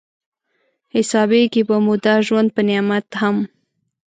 حسابېږي به مو دا ژوند په نعمت هم